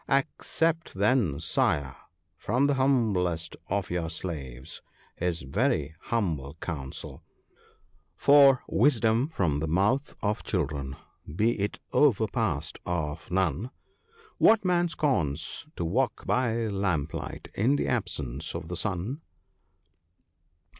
' Accept then, Sire, from the humblest of your slaves his very humble counsel — for " Wisdom from the mouth of children be it overpast of none ; What man scorns to walk by lamplight in the absence of the sun